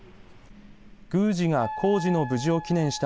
宮司が工事の無事を祈念した